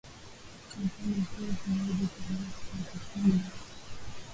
na pwani Ikiwa huwezi kuanza siku yako bila